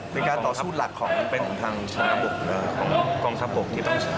เป็นการต่อสู้หลักของเป็นของทางกองทัพปกที่ต้องใช้นะครับ